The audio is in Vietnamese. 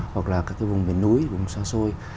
hoặc là các vùng biển núi vùng xa xôi